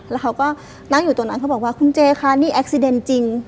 แล้วเขาก็นั่งอยู่ตรงนั้นเขาบอกว่าคุณเจคะนี่แอ็กซีเดนจริง